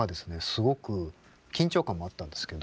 すごく緊張感もあったんですけど。